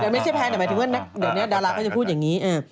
เดี๋ยวไม่ใช่แพนแต่ว่าเดี๋ยวนี้ดาราเขาจะพูดอย่างนี้